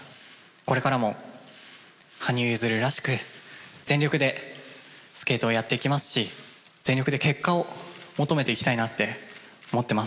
これからも羽生結弦らしく全力でスケートをやっていきますし全力で結果を求めていきたいなって思ってます。